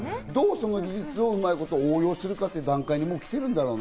その技術を応用するかという段階にもう来てるんだろうね。